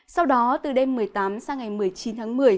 sau đó từ đêm một mươi tám sang ngày một mươi chín tháng một mươi